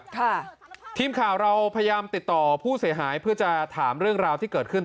ทีมข่าวเราพยายามติดต่อผู้เสียหายเพื่อจะถามเรื่องราวที่เกิดขึ้น